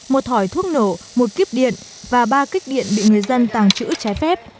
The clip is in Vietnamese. một thỏi thuốc nổ một kíp điện và ba kích điện bị người dân tàng trữ trái phép